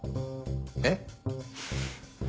えっ？